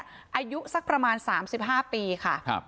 อายุสักประมาณสามสิบห้าปีค่ะครับ